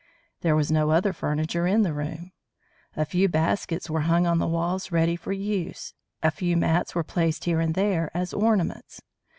There was no other furniture in the room. A few baskets were hung on the walls ready for use. A few mats were placed here and there as ornaments.